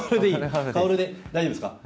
薫で大丈夫ですか？